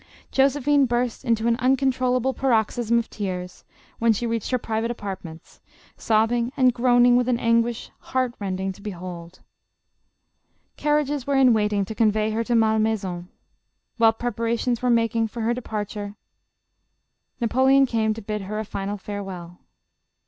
Josephine burst into an uncontrollable paroxysm of tears, when she reached her private apartments, sobbing and groaning with an anguish, heart rending to behold. Carriages were in waiting to convey her to Malmai son. While preparations were making for her depar 260 JOSEPHINE. tore, Napoleon came to bid her a final farewell.